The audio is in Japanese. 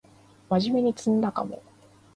まじめに詰んだかも